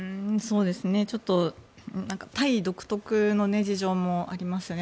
ちょっとタイ独特の事情もありますよね。